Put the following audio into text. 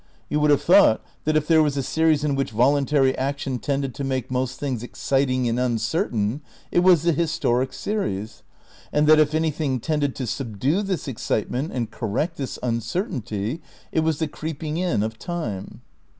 You would have thought that if there was a series in which voluntary action tended to make most things exciting and uncertain it was the historic series ; and that if anything tended to subdue this excitement and correct this uncertainty it was the creeping in of time.